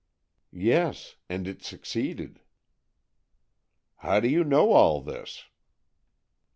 "Yes, and it succeeded." "How do you know all this?"